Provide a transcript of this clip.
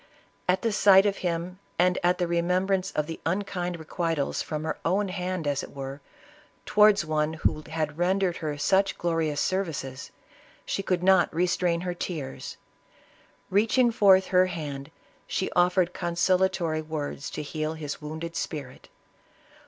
At the sight of him, and at the remembrance of the unkind requi tals, from her own hand as it were, towards one who had rendered her such glorious services, she could not restrain her tears ; reaching forth her hand, she offered consolatory words to heal his wounded spirit.